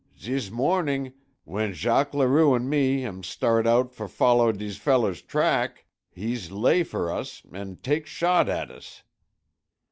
Zees morneeng w'en Jacques Larue an' me am start out for foller dees feller's track, hees lay for us an' tak shot at us.